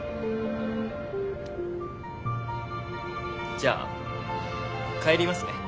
じゃあ帰りますね。